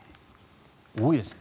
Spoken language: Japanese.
多いですね。